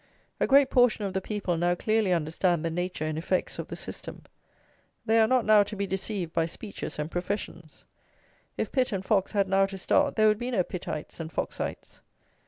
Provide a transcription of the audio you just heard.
A great portion of the people now clearly understand the nature and effects of the system; they are not now to be deceived by speeches and professions. If Pitt and Fox had now to start, there would be no "Pittites" and "Foxites."